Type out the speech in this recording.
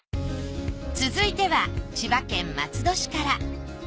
続いては千葉県松戸市から。